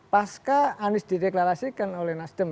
pasca anies dideklarasikan oleh nasdem